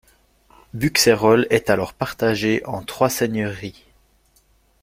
Buxerolles est alors partagée en trois seigneuries.